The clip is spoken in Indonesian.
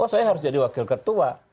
oh saya harus jadi wakil ketua